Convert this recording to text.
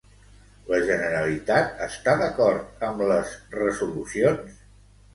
La Generalitat està d'acord amb les resolucions?